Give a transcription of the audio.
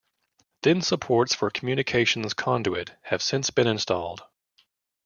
Thin supports for communications conduit have since been installed.